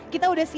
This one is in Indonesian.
kita udah siapkan